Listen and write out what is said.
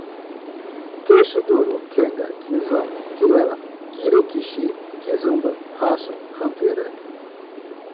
queixo duro, quenga, quinzão, quirela, quiriquixi, quizumba, racha, rampeira